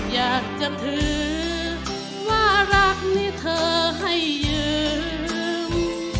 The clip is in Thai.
อยากจะถือว่ารักนี่เธอให้ยืม